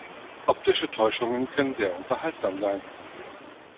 Optische Täuschungen können sehr unterhaltsam sein.